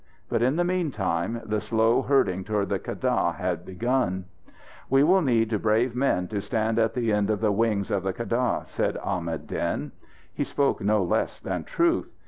But in the meantime, the slow herding toward the keddah had begun. "We will need brave men to stand at the end of the wings of the keddah," said Ahmad Din. He spoke no less than truth.